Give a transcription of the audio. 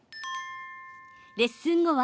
レッスン後は。